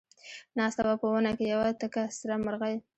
ناسته وه په ونه کې یوه تکه سره مرغۍ